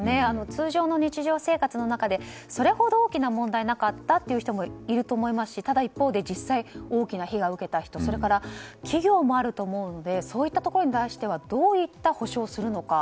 通常の日常生活の中でそれほど大きな問題はなかったという人もいると思いますしただ一方で実際、大きな被害を受けた人それから企業もあると思うのでそういったところに対してどういった補償をするのか。